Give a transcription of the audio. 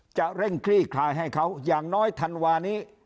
เร่งคลี่คลายให้เขาอย่างน้อยธันวานี้